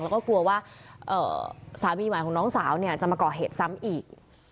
แล้วก็กลัวว่าสามีหวานของน้องสาวจะมาเกาะเหตุซ้ำอีก